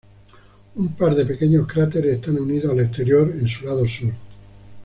Un par de pequeños cráteres están unidos al exterior en su lado sur.